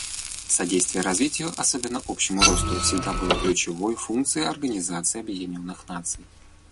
Содействие развитию, особенно общему росту, всегда было ключевой функцией Организации Объединенных Наций.